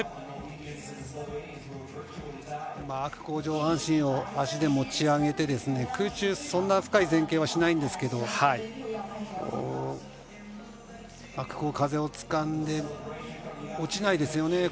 うまく上半身を足で持ち上げて空中、そんな深い前傾はしないんですけどうまく風をつかんで落ちないですよね